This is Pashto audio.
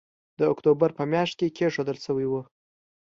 د اکتوبر په مياشت کې کېښودل شوی وو